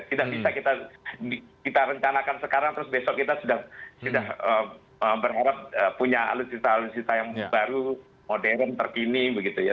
tidak bisa kita rencanakan sekarang terus besok kita sudah berharap punya alutsista alutsista yang baru modern terkini begitu ya